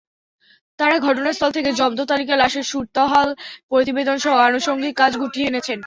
তাঁরা ঘটনাস্থল থেকে জব্দতালিকা, লাশের সুরতহাল প্রতিবেদনসহ আনুষঙ্গিক কাজ গুটিয়ে এনেছেন।